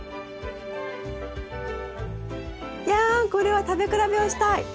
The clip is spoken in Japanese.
やんこれは食べ比べをしたい！